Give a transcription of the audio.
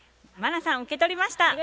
茉奈さん受け取りました。